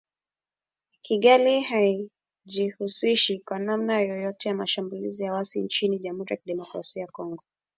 Kigali haijihusishi kwa namna yoyote na mashambulizi ya waasi hao nchini Jamuhuri ya Kidemokrasia ya Kongo